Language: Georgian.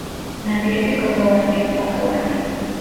ნაპირები კლდოვანია, ფლატოვანი.